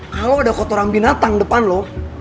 kalo ada kotoran binatang depan lo